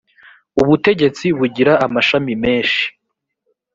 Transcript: ubutegetsi bugira amashami meshi.